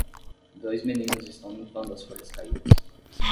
Dois meninos estão limpando as folhas caídas.